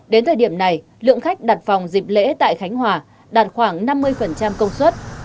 đến thời điểm này lượng khách đặt phòng dịp lễ tại khánh hòa đạt khoảng năm mươi công suất